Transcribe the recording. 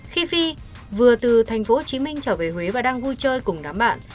khi phi vừa từ thành phố hồ chí minh trở về huế và đang vui chơi cùng đám bạn